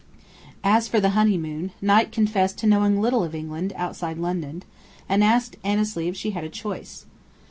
As for the honeymoon, Knight confessed to knowing little of England, outside London, and asked Annesley if she had a choice.